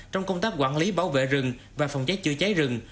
trong công tác quản lý bảo vệ rừng và phòng cháy chữa cháy rừng